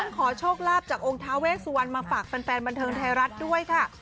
ขอโชคลาภจากองค์ท้าเวสวันมาฝากแฟนบันเทิงไทยรัฐด้วยค่ะ